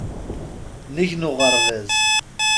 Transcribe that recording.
Nnig n uɣerbaz.